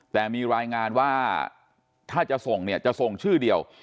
แต่มีรายงานว่าถ้าจะส่งเนี่ยจะส่งชื่อเดียว